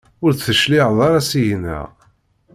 Ur d-tecliɛeḍ ara seg-neɣ?